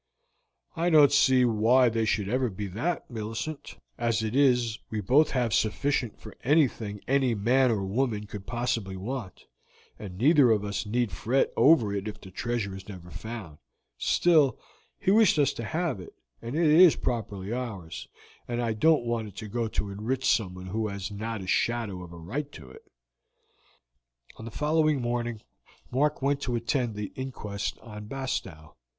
"I don't see why they should ever be that, Millicent. As it is we have both sufficient for anything any man or woman could reasonably want, and neither of us need fret over it if the treasure is never found. Still, he wished us to have it, and it is properly ours, and I don't want it to go to enrich someone who has not a shadow of a right to it." On the following morning Mark went to attend the inquest on Bastow.